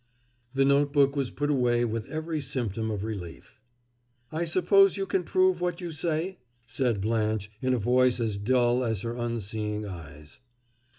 The note book was put away with every symptom of relief. "I suppose you can prove what you say?" said Blanche in a voice as dull as her unseeing eyes.